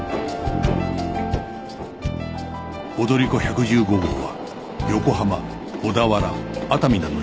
踊り子１１５号は横浜小田原熱海などに停車